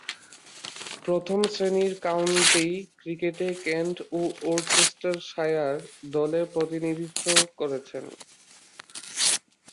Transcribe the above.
প্রথম-শ্রেণীর কাউন্টি ক্রিকেটে কেন্ট ও ওরচেস্টারশায়ার দলে প্রতিনিধিত্ব করেছেন।